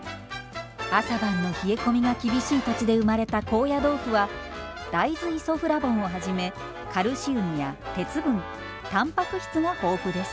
朝晩の冷え込みが厳しい土地で生まれた高野豆腐は大豆イソフラボンをはじめカルシウムや鉄分たんぱく質が豊富です。